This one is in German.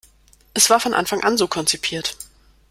Es war von Anfang an so konzipiert.